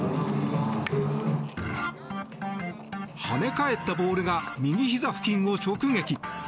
跳ね返ったボールが右ひざ付近を直撃。